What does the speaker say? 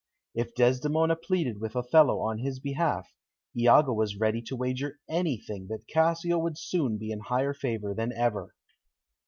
If Desdemona pleaded with Othello on his behalf, Iago was ready to wager anything that Cassio would soon be in higher favour than ever.